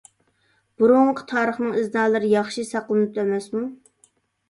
بۇرۇنقى تارىخنىڭ ئىزنالىرى ياخشى ساقلىنىپتۇ ئەمەسمۇ.